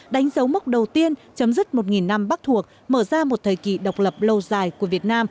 đánh dấu mốc đầu tiên chấm dứt một năm bắc thuộc mở ra một thời kỳ độc lập lâu dài của việt nam